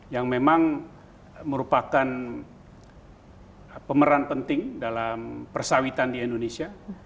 yang memang merupakan pemeran penting dalam persawitan di indonesia